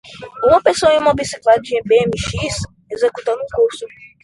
Uma pessoa em uma bicicleta de bmx? executando um curso.